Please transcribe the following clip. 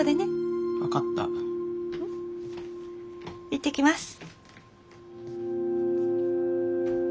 行ってきます。